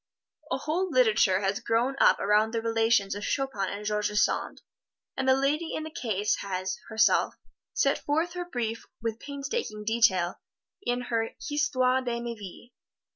A whole literature has grown up around the relations of Chopin and George Sand, and the lady in the case has, herself, set forth her brief with painstaking detail in her "Histoire de Ma Vie."